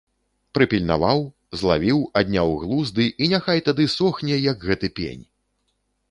Прыпільнаваў, злавіў, адняў глузды і няхай тады сохне, як гэты пень!